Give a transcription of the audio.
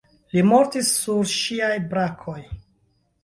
Li mortis sur ŝiaj brakoj.